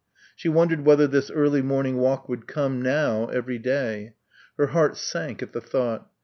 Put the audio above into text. She wondered whether this early morning walk would come, now, every day. Her heart sank at the thought.